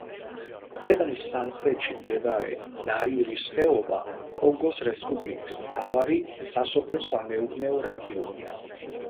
ქვეყნის სამხრეთში მდებარე ნიარის ხეობა კონგოს რესპუბლიკის მთავარი სასოფლო-სამეურნეო რეგიონია.